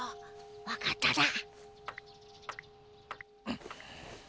分かっただ。